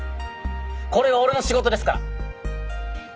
これは俺の仕事ですから。